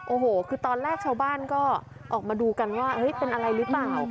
โอ้โหคือตอนแรกชาวบ้านก็ออกมาดูกันว่าเป็นอะไรหรือเปล่า